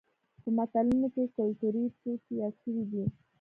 په متلونو کې کولتوري توکي یاد شوي دي